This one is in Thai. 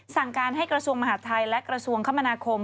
สั่งการให้กระทรวงมหาดไทยและกระทรวงคมนาคม